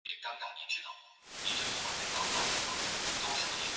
生物可分解塑胶是在工业堆肥器中降解的生物聚合物。